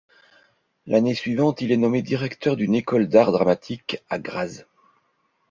L'année suivante, il est nommé directeur d'une école d'art dramatique à Graz.